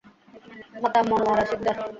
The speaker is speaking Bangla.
মাতা মনোয়ারা সিকদার।